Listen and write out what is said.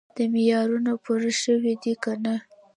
دا معیارونه پوره شوي دي که نه.